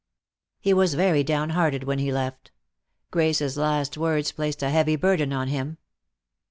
He was very down hearted when he left. Grace's last words placed a heavy burden on him.